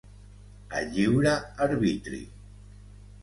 A lliure arbitri.